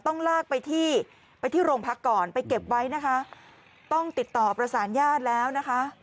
ต้องลากไปที่ไปที่โรงพักก่อนไปเก็บไว้นะคะต้องติดต่อประสานญาติแล้วนะคะ